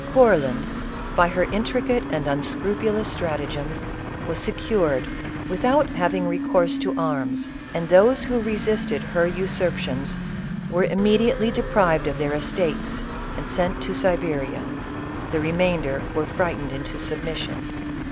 Courland, by her intricate and unscrupulous stratagems, was secured without having recourse to arms, and those who resisted her usurpations were immediately deprived of their estates and sent to Siberia. The remainder were frightened into submission.